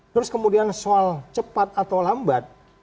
terus kemudian soal cepat atau lambat